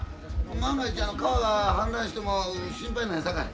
万が一川が氾濫しても心配ないさかい。